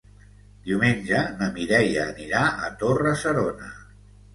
Diumenge na Mireia anirà a Torre-serona.